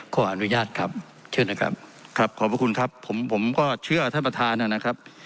ขออนุญาตครับเชิญนะครับครับขอบพระคุณครับผมผมก็เชื่อท่านประธานนะครับ